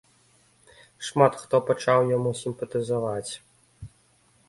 Шмат хто пачаў яму сімпатызаваць.